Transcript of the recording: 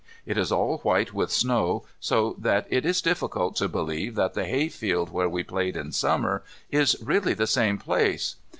It is all white with snow, so that it is difficult to believe that the hayfield where we played in Summer is really the same place.